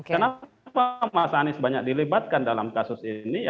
kenapa mas anies banyak dilibatkan dalam kasus ini